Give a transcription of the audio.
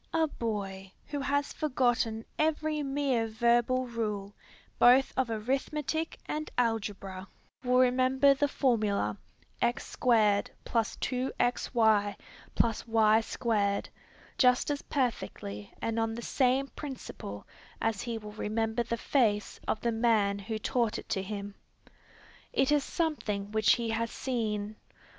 A boy who has forgotten every mere verbal rule both of arithmetic and algebra, will remember the formula, x^2 + 2xy + y^2, just as perfectly and on the same principle, as he will remember the face of the man who taught it to him. It is something which he has seen.